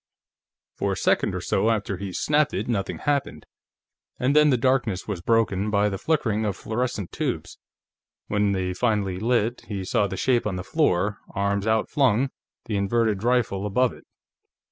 For a second or so after he snapped it nothing happened, and then the darkness was broken by the flickering of fluorescent tubes. When they finally lit, he saw the shape on the floor, arms outflung, the inverted rifle above it.